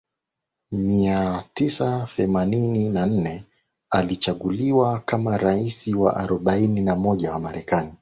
mia tisa themanini na nane alichaguliwa kama rais wa arobaini na moja wa Marekani